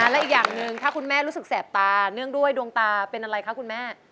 และอีกอย่างหนึ่งถ้าคุณแม่รู้สึกแสบตาเนื่องด้วยดวงตาเป็นอะไรคะคุณแม่